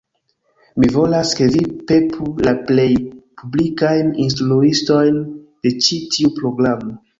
Mi volas, ke vi pepu la plej publikajn instruistojn de ĉi tiu programo